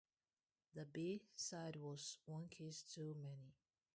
The "B" side was "One Kiss Too Many".